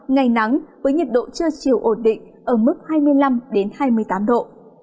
ngày nắng với nhiệt độ chưa chịu ổn định ở mức hai mươi năm hai mươi tám độ